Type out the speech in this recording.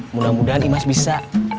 mudah mudahan imas bisa